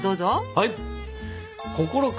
はい！